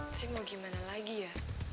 tapi mau gimana lagi ya